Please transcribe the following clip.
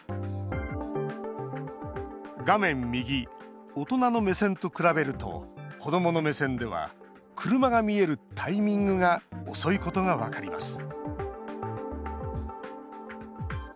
画面右、大人の目線と比べると子どもの目線では車が見えるタイミングが遅いことが分かります。